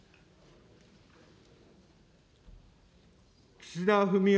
岸田文雄